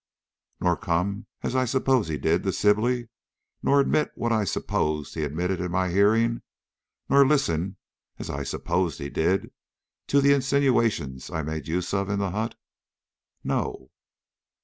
"Nor come, as I supposed he did, to Sibley? nor admit what I supposed he admitted in my hearing? nor listen, as I supposed he did, to the insinuations I made use of in the hut?" "No."